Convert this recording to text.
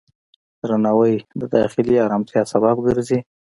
درناوی د داخلي آرامتیا سبب ګرځي.